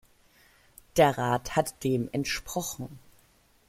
Der Rat hat dem entsprochen.